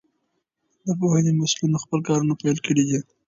د پوهنې مسئولينو خپل کارونه پيل کړي دي.